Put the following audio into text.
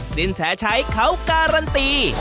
สินแสชัยเขาการันตี